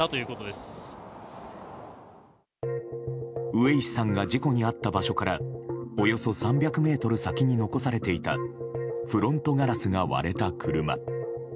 上石さんが事故に遭った場所からおよそ３００ｍ先に残されていたフロントガラスが割れた車。